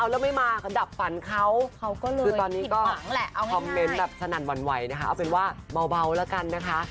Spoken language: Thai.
แล้วไม่มาก็ดับฝันเขาก็เลยคือตอนนี้ก็คอมเมนต์แบบสนั่นหวั่นไหวนะคะเอาเป็นว่าเบาแล้วกันนะคะ